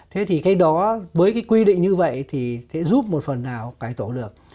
thế thì cái đó với cái quy định như vậy thì sẽ giúp một phần nào cải tổ được